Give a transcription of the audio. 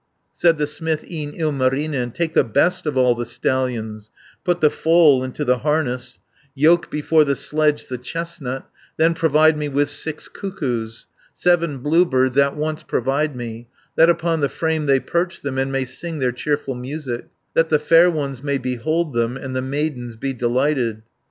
390 Said the smith, e'en Ilmarinen, "Take the best of all the stallions, Put the foal into the harness, Yoke before the sledge the chestnut, Then provide me with six cuckoos, Seven blue birds at once provide me, That upon the frame they perch them, And may sing their cheerful music, That the fair ones may behold them, And the maidens be delighted.